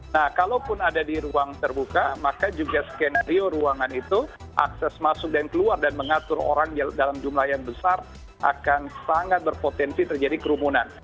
nah kalaupun ada di ruang terbuka maka juga skenario ruangan itu akses masuk dan keluar dan mengatur orang dalam jumlah yang besar akan sangat berpotensi terjadi kerumunan